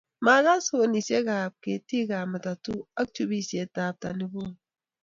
Makas honisiekab ketikab matatu ak chubisietab tandiboi